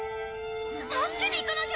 助けに行かなきゃ！